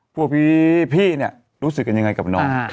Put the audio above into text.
พวกพี่เนี่ยรู้สึกกันยังไงกับน้อง